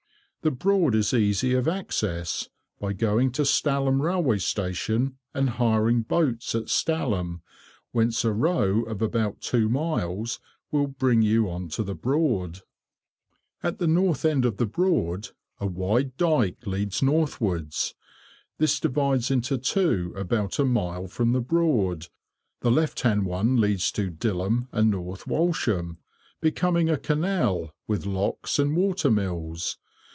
The Broad is easy of access, by going to Stalham railway station, and hiring boats at Stalham, whence a row of about two miles will bring you on to the Broad. [Picture: Entrance—Barton Broad] At the north end of the Broad, a wide dyke leads northwards. This divides into two about a mile from the Broad; the left hand one leads to Dilham and North Walsham, becoming a canal, with locks and water mills.